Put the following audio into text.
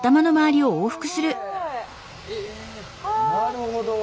なるほど。